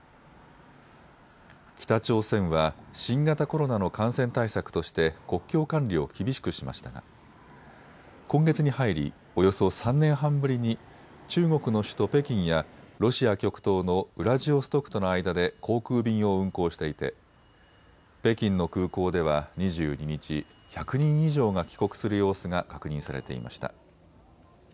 北朝鮮は新型コロナの感染対策として国境管理を厳しくしましたが今月に入り、およそ３年半ぶりに中国の首都・北京やロシア極東のウラジオストクとの間で航空便を運航していて北京の空港では２２日、１００人以上が帰国する様子が確認されていました。